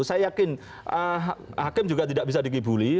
saya yakin hakim juga tidak bisa dikibuli